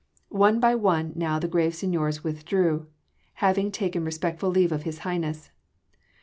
One by one now the grave seigniors withdrew, having taken respectful leave of His Highness.